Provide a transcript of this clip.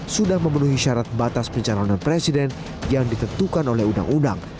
sudah memenuhi syarat batas pencalonan presiden yang ditentukan oleh undang undang